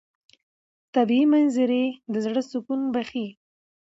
طبیعي منظرې د زړه سکون بښي.